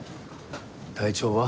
体調は？